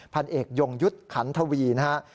พันเอกยงยุทธ์ขันทวีนะครับ